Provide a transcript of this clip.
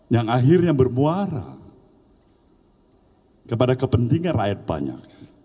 yang akhirnya bermuara kepada kepentingan rakyat banyak